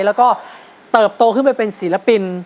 แล้วก็เติบโตขึ้นไปเป็นสีลักษณ์